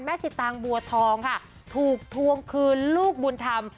สิตางบัวทองค่ะถูกทวงคืนลูกบุญธรรม